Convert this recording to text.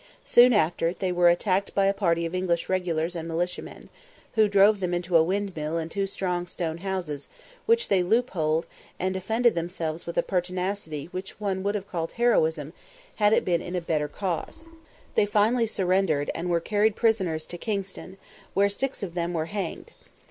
Soon after, they were attacked by a party of English regulars and militiamen, who drove them into a windmill and two strong stone houses, which they loopholed, and defended themselves with a pertinacity which one would have called heroism, had it been in a better cause. They finally surrendered, and were carried prisoners to Kingston, where six of them were hanged.